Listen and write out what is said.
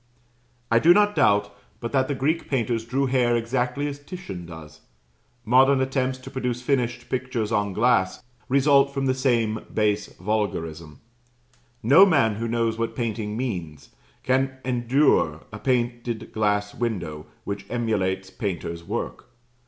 I do not doubt but that the Greek painters drew hair exactly as Titian does. Modern attempts to produce finished pictures on glass result from the same base vulgarism. No man who knows what painting means, can endure a painted glass window which emulates painter's work.